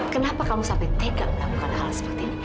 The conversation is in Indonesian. kenapa kamu sampai tegak melakukan hal seperti ini